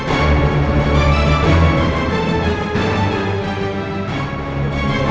amin ya allah amin